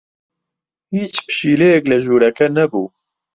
هیچ پشیلەیەک لە ژوورەکە نەبوو.